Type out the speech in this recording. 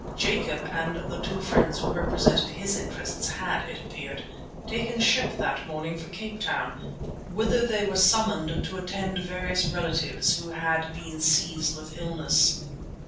Jacob and the two friends who represented his interests had, it appeared, taken ship that morning for Cape Town, whither they were summoned to attend various relatives who had been seized with illness.